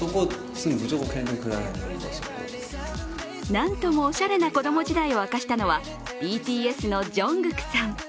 なんともおしゃれな子供時代を明かしたのはＢＴＳのＪＵＮＧＫＯＯＫさん。